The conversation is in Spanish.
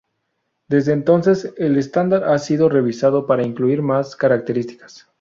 Desde entonces, el estándar ha sido revisado para incluir más características.